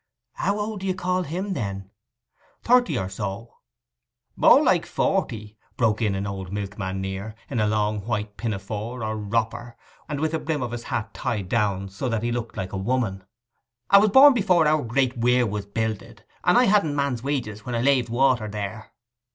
'How old do you call him, then?' 'Thirty or so.' 'More like forty,' broke in an old milkman near, in a long white pinafore or 'wropper,' and with the brim of his hat tied down, so that he looked like a woman. ''A was born before our Great Weir was builded, and I hadn't man's wages when I laved water there.